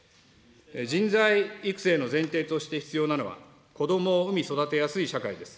人材育成の前提として必要なのは、子どもを産み育てやすい社会です。